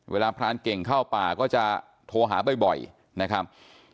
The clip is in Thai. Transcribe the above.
พรานเก่งเข้าป่าก็จะโทรหาบ่อยนะครับ